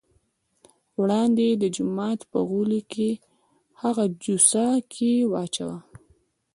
وړاندې یې د جومات په غولي کې هغه جوسه کې واچوه.